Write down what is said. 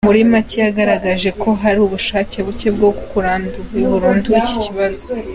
Muri make yagaragaje ko hari ubushake bucye bwo kurandura burundu iki kibazo.